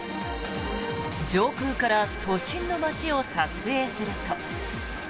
上空から都心の街を撮影すると。